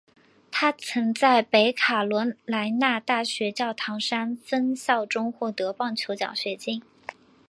他曾在北卡罗来纳大学教堂山分校中获得棒球奖学金。